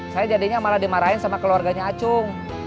saya jadinya malah dimarahin sama keluarganya acung